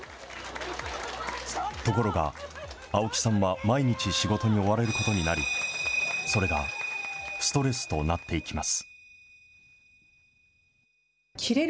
ところが、青木さんは毎日仕事に追われることになり、それがストレスとなっていきます。